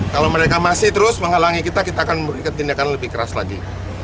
kalau mereka masih terus menghalangi kita kita akan memberikan tindakan lebih keras lagi